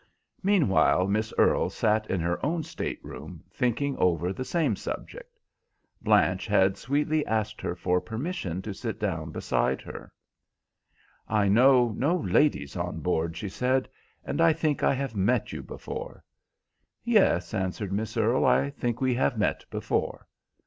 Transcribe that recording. Meanwhile Miss Earle sat in her own state room thinking over the same subject. Blanche had sweetly asked her for permission to sit down beside her. "I know no ladies on board," she said, "and I think I have met you before." "Yes," answered Miss Earle, "I think we have met before."